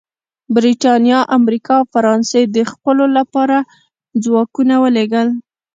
برېټانیا، امریکا او فرانسې د ځپلو لپاره ځواکونه ولېږل